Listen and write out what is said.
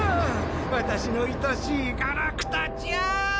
私の愛しいガラクタちゃん！